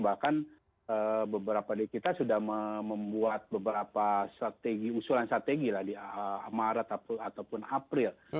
bahkan beberapa dari kita sudah membuat beberapa usulan strategi di maret ataupun april